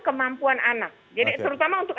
kemampuan anak jadi terutama untuk